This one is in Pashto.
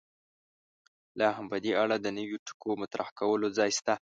لا هم په دې اړه د نویو ټکو مطرح کولو ځای شته.